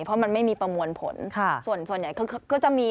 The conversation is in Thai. เพราะมันไม่มีประมวลผลส่วนใหญ่ก็จะมี